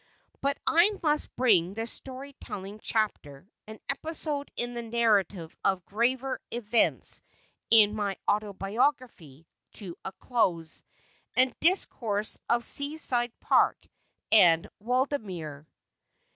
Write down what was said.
But I must bring this story telling chapter an episode in the narrative of graver events in my autobiography to a close, and discourse of Sea side Park and Waldemere.